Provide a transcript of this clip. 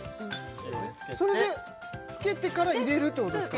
それでつけてから入れるってことですか？